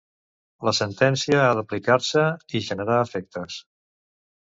La sentència ha d'aplicar-se i generar efectes.